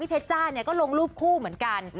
เพชจ้าก็ลงรูปคู่เหมือนกัน